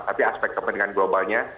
tapi aspek kepentingan globalnya